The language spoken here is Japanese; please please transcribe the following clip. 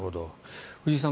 藤井さん